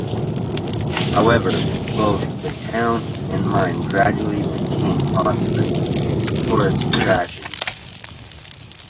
However, both the town and mine gradually became popular tourist attractions.